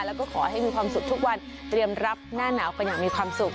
แล้วก็ขอให้มีความสุขทุกวันเตรียมรับหน้าหนาวกันอย่างมีความสุข